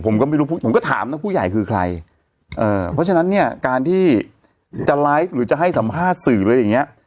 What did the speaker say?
ผมก็ไม่รู้ผมก็ถามนะผู้ใหญ่คือใครเอ่อเพราะฉะนั้นเนี่ยการที่จะไลฟ์หรือจะให้สัมภาษณ์สื่ออะไรอย่างเงี้ย